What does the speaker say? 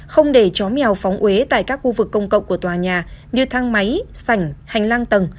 không để chó mèo phóng ế tại các khu vực công cộng của tòa nhà như thang máy sảnh hành lang tầng